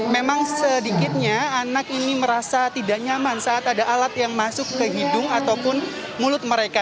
memang sedikitnya anak ini merasa tidak nyaman saat ada alat yang masuk ke hidung ataupun mulut mereka